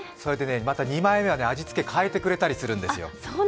また２枚目は味つけ変えてくれたりするんですよ。